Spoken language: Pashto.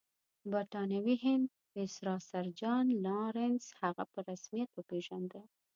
د برټانوي هند ویسرا سر جان لارنس هغه په رسمیت وپېژانده.